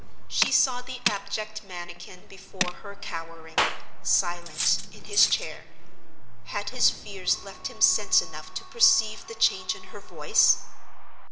She saw the abject manikin before her cowering, silent, in his chair. Had his fears left him sense enough to perceive the change in her voice?